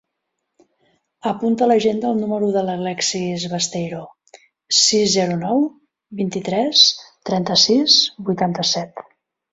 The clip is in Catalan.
Apunta a l'agenda el número de l'Alexis Besteiro: sis, zero, nou, vint-i-tres, trenta-sis, vuitanta-set.